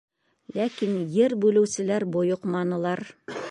Ләкин ер бүлеүселәр бойоҡманылар.